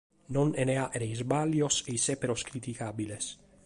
Non sena fàghere isbàllios e issèberos criticàbiles.